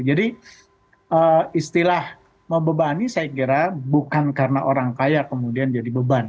jadi istilah membebani saya kira bukan karena orang kaya kemudian jadi beban